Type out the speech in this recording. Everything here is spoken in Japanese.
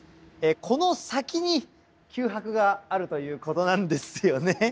この先に九博があるということなんですよね。